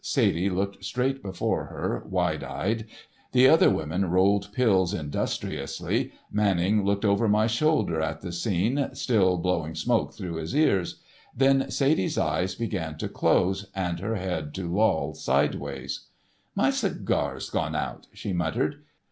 Sadie looked straight before her, wide eyed, the other women rolled pills industriously, Manning looked over my shoulder at the scene, still blowing smoke through his ears; then Sadie's eyes began to close and her head to loll sideways. "My cigar's gone out," she muttered.